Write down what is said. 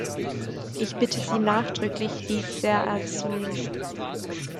Ich bitte Sie nachdrücklich, dies sehr ernst zu nehmen.